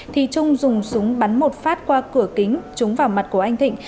thì trung dùng súng bắn một phát qua cửa kính trúng vào mặt của anh thịnh